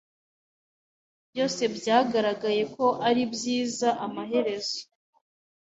Byose byagaragaye ko ari byiza amaherezo.